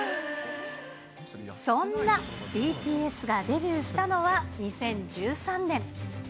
そんなＢＴＳがデビューしたのは２０１３年。